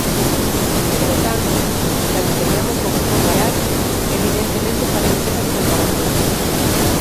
Polo tanto, cando teñamos con que comparar, evidentemente faremos esas comparacións.